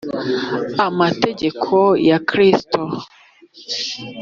amategeko ya kristo